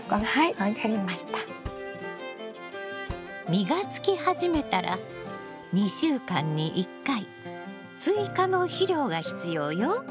実がつき始めたら２週間に１回追加の肥料が必要よ。